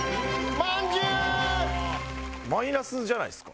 マイナスじゃないですか？